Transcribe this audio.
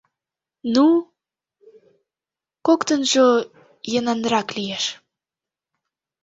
— Ну... коктынжо йӧнанрак лиеш.